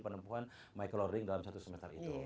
penemuan micro learning dalam satu semester itu